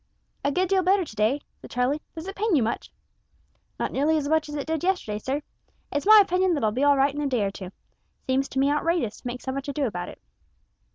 "A good deal better to day," said Charlie. "Does it pain you much?" "Not nearly as much as it did yesterday, sir. It's my opinion that I'll be all right in a day or two. Seems to me outrageous to make so much ado about it."